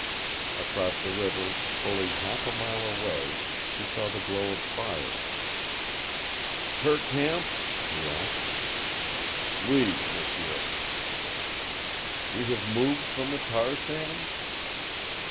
Across the river, fully half a mile away, he saw the glow of fires. "Her camp?" he asked. "OUI, m'sieu." "We have moved from the tar sands?"